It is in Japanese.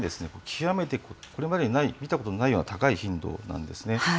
極めて、これまでに見たことのないような高い頻度なんですね。